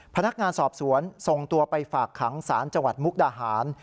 พนักงานสอบสวนส่งตัวไปฝากขังศาลจังหวัดมุกดาหาร